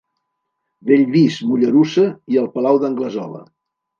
Bellvís, Mollerussa, i el Palau d'Anglesola.